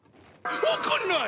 わかんない！